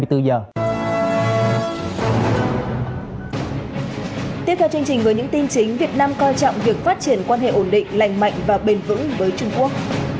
tiếp theo chương trình với những tin chính việt nam coi trọng việc phát triển quan hệ ổn định lành mạnh và bền vững với trung quốc